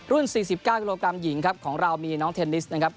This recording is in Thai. ร่วมชิงชัยรุ่น๔๙กิโลกรัมหญิงครับของเรามีน้องเทนนิสนะครับ